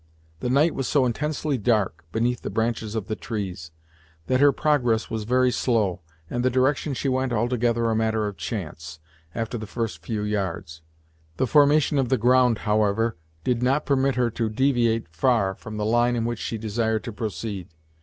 The night was so intensely dark, beneath the branches of the trees, that her progress was very slow, and the direction she went altogether a matter of chance, after the first few yards. The formation of the ground, however, did not permit her to deviate far from the line in which she desired to proceed.